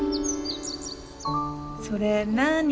「『それなあに？』